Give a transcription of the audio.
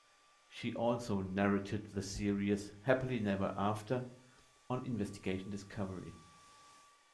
She also narrated the series "Happily Never After" on Investigation Discovery.